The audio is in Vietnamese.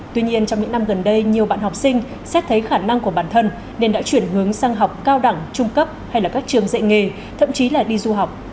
tuy nhiên trong những năm gần đây nhiều bạn học sinh xét thấy khả năng của bản thân nên đã chuyển hướng sang học cao đẳng trung cấp hay là các trường dạy nghề thậm chí là đi du học